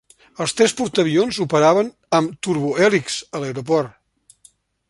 Els tres portaavions operaven amb turbohèlix a l'aeroport.